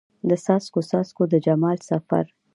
د څاڅکو، څاڅکو د جمال سفر